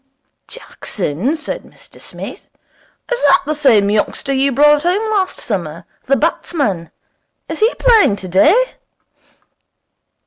'Jackson?' said Mr Smith, 'is that the same youngster you brought home last summer? The batsman? Is he playing today?'